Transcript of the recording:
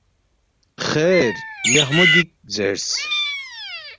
خیر ”لیخمو گِک“ زیرس